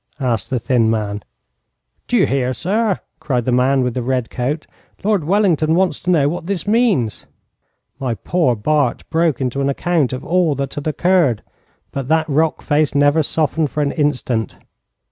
asked the thin man. 'D'you hear, sir?' cried the man with the red coat. 'Lord Wellington wants to know what this means.' My poor Bart broke into an account of all that had occurred, but that rock face never softened for an instant.